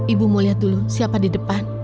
ibu mau lihat dulu siapa di depan